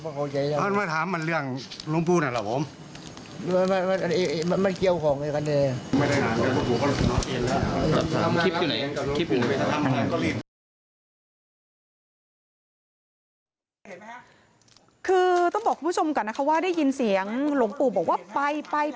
คือต้องบอกคุณผู้ชมก่อนนะคะว่าได้ยินเสียงหลวงปู่บอกว่าไปไป